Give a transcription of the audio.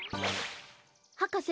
博士